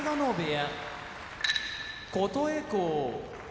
琴恵光